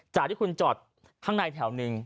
จากที่คุณจอดข้างในแถวหนึ่ง